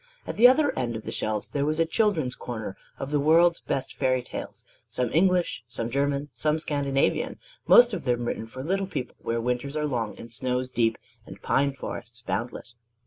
At the other end of the shelves there was a children's corner of the world's best fairy tales, some English, some German, some Scandinavian most of them written for little people where winters are long and snows deep and pine forests boundless.